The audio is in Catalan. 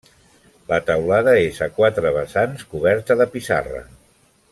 La teulada és a quatre vessants, coberta de pissarra.